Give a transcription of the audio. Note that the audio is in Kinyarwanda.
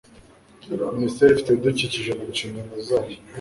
Minisiteri ifite Ibidukikije mu nshingano zayo